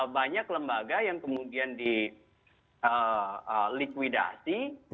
banyak lembaga yang kemudian di likuidasi